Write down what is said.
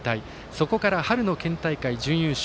そこから春の県大会準優勝。